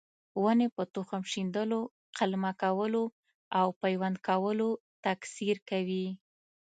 ونې په تخم شیندلو، قلمه کولو او پیوند کولو تکثیر کوي.